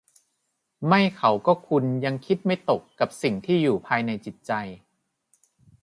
ไม่เขาก็คุณยังคิดไม่ตกกับสิ่งที่อยู่ภายในจิตใจ